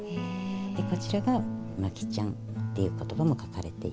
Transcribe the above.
こちらが「牧チャン」っていう言葉も書かれていて。